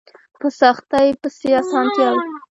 په سختۍ پسې اسانتيا وي